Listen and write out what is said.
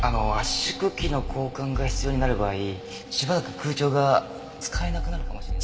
圧縮機の交換が必要になる場合しばらく空調が使えなくなるかも。